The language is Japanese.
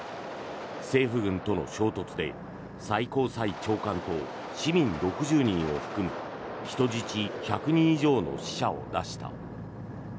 政府軍との衝突で、最高裁長官と市民６０人を含む人質１００人以上の死者を出した。